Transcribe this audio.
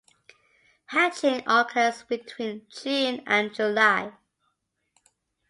Hatching occurs between June and July.